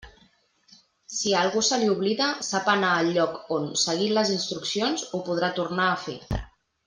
Si a algú se li oblida, sap anar al lloc on, seguint les instruccions, ho podrà tornar a fer.